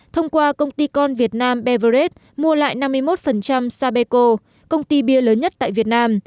thông qua công ty con việt nam beveres mua lại năm mươi một sapeco công ty bia lớn nhất tại việt nam